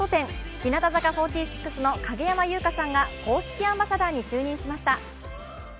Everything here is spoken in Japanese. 日向坂４６の影山優佳さんが公式アンバサダーに就任しました。